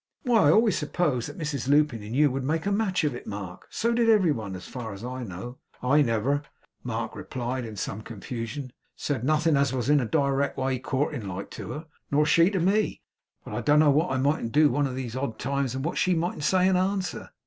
Why, I always supposed that Mrs Lupin and you would make a match of it, Mark; and so did every one, as far as I know.' 'I never,' Mark replied, in some confusion, 'said nothing as was in a direct way courting like to her, nor she to me, but I don't know what I mightn't do one of these odd times, and what she mightn't say in answer.